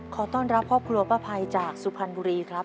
ขอต้อนรับครอบครัวป้าภัยจากสุพรรณบุรีครับ